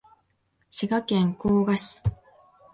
滋賀県甲賀市